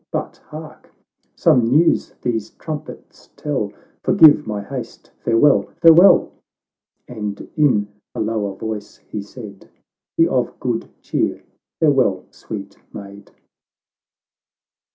— But hark ! some news these trumpets tell ; Forgive my haste — farewell — farewell." And in a lower voice he said, " Be of good cheer— farewell, sweet maid